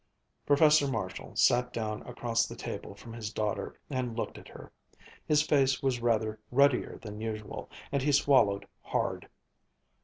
Professor Marshall sat down across the table from his daughter and looked at her. His face was rather ruddier than usual and he swallowed hard.